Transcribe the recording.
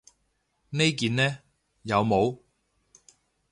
呢件呢？有帽